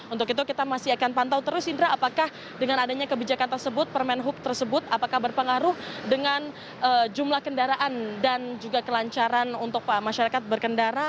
untuk itu kita masih akan pantau terus indra apakah dengan adanya kebijakan tersebut permen hub tersebut apakah berpengaruh dengan jumlah kendaraan dan juga kelancaran untuk masyarakat berkendara